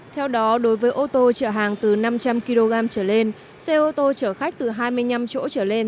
theo đó đối với ô tô chở hàng từ năm trăm linh kg trở lên xe ô tô chở khách từ hai mươi năm chỗ trở lên